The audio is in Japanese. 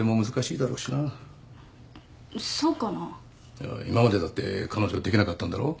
いや今までだって彼女できなかったんだろ？